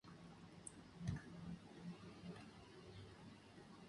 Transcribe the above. Discurre predominantemente en dirección suroeste.